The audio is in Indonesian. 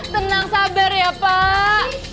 tenang sabar ya pak